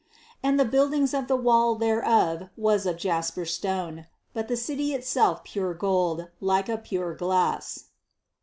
18. And the buildings of the wall thereof was of jasper stone; but the city itself pure gold,, like to pure glass."